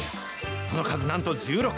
その数なんと１６。